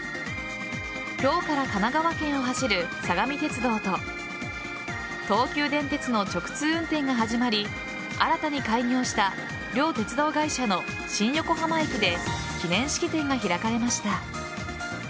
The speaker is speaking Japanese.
今日から神奈川県を走る相模鉄道と東急電鉄の直通運転が始まり新たに開業した同鉄道会社の新横浜駅で記念式典が開かれました。